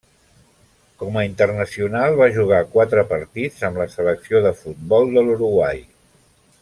Com a internacional, va jugar quatre partits amb la selecció de futbol de l'Uruguai.